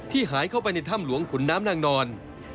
หายเข้าไปในถ้ำหลวงขุนน้ำนางนอน